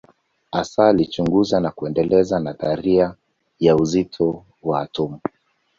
Hasa alichunguza na kuendeleza nadharia ya uzito wa atomu.